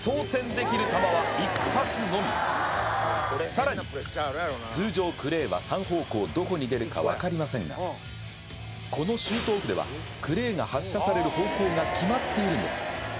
更に、通常クレーは３方向どこに出るか分かりませんがこのシュートオフではクレーが発射される方向が決まっているんです。